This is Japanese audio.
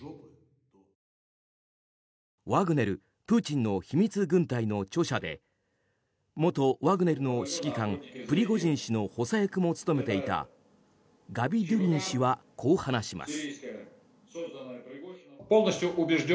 「ワグネルプーチンの秘密軍隊」の著者で元ワグネルの指揮官プリゴジン氏の補佐役も務めていたガビドゥリン氏はこう話します。